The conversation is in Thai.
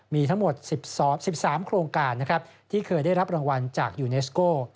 มีทั้งหมด๑๓โครงการนะครับที่เคยได้รับรางวัลจากยูเนสโก้